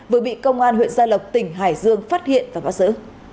vừa bị công an huyện gia lộc tỉnh hải dương phát hiện và bắt giữ